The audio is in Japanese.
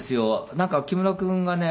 なんか木村君がね